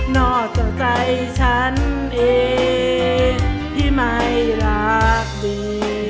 อกจากใจฉันเองที่ไม่รักดี